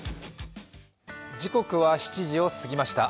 時刻は７時をすぎました。